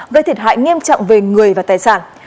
gây thiệt hại nghiêm trọng về người và tài sản